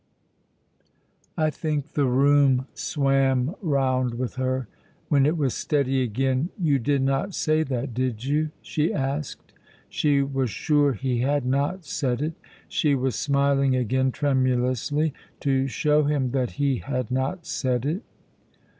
I think the room swam round with her. When it was steady again, "You did not say that, did you?" she asked. She was sure he had not said it. She was smiling again tremulously to show him that he had not said it.